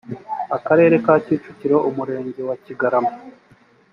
akarere ka kicukiro umurenge wa kigarama